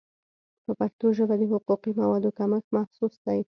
په پښتو ژبه د حقوقي موادو کمښت محسوس دی.